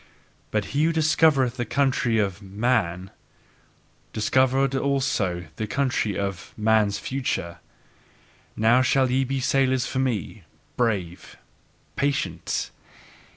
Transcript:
But he who discovered the country of "man," discovered also the country of "man's future." Now shall ye be sailors for me, brave, patient!